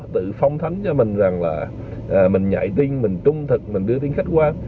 tự phong thánh cho mình rằng là mình nhảy tin mình trung thực mình đưa tin khách quan